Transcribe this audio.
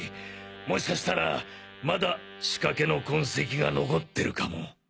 もしかしたらまだ仕掛けの痕跡が残ってるかも。